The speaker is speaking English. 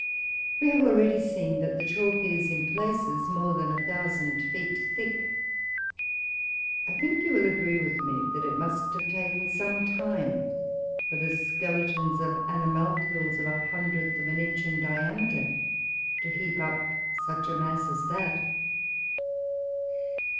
We have already seen that the chalk is, in places, more than a thousand feet thick. I think you will agree with me, that it must have taken some time for the skeletons of animalcules of a hundredth of an inch in diameter to heap up such a mass as that.